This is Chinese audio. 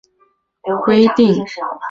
中国大陆至今无公开国葬规定。